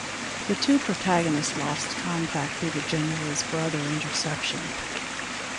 The two protagonists lost contact due to Jamila’s brother interception.